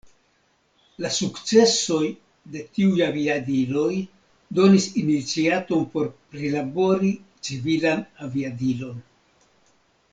La sukcesoj de tiuj aviadiloj donis iniciaton por prilabori civilan aviadilon.